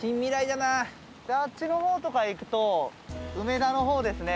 であっちの方とか行くと梅田の方ですね。